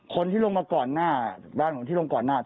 คนที่ลุงมาร้านที่ก่อนหน้า